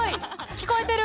聞こえてる？